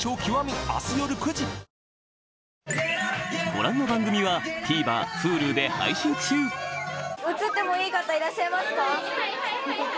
．．．ご覧の番組はＴＶｅｒＨｕｌｕで配信中いらっしゃいますか？